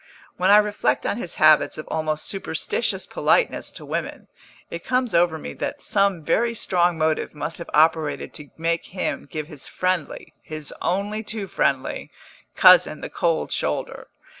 When I reflect on his habits of almost superstitious politeness to women, it comes over me that some very strong motive must have operated to make him give his friendly his only too friendly cousin the cold shoulder.